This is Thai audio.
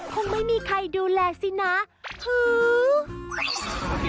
คงไม่มีใครดูแลสินะ